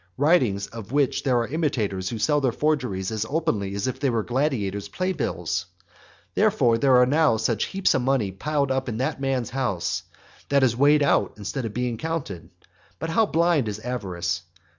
writings of which there are imitators who sell their forgeries as openly as if they were gladiators' playbills. Therefore, there are now such heaps of money piled up in that man's house, that it is weighed out instead of being counted. But how blind is avarice!